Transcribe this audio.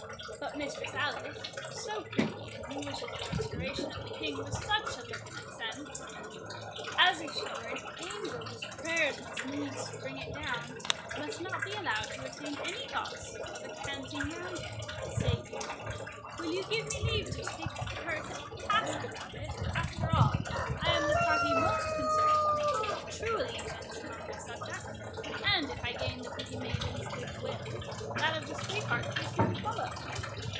But Mistress Alice, so pretty, and who wishes the restoration of the King with such a look and accent, as if she were an angel whose prayers must needs bring it down, must not be allowed to retain any thoughts of a canting roundhead—What say you—will you give me leave to take her to task about it?—After all, I am the party most concerned in maintaining true allegiance among my subjects; and if I gain the pretty maiden's good will, that of the sweetheart's will soon follow.